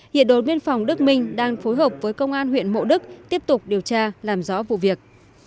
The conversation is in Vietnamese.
hiện đồn biên phòng đức minh đang phối hợp với công an huyện mộ đức tiếp tục điều tra làm rõ vụ việc